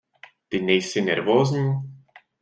Ty nejsi nervózní?